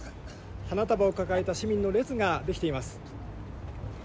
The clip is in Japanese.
花束を抱えた市民の列が出来ています。